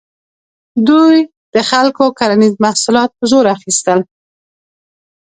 دوی د خلکو کرنیز محصولات په زور اخیستل.